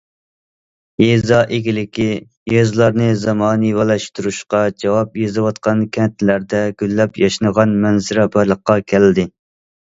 يېزا ئىگىلىكى، يېزىلارنى زامانىۋىلاشتۇرۇشقا جاۋاب يېزىۋاتقان كەنتلەردە گۈللەپ ياشنىغان مەنزىرە بارلىققا كەلدى.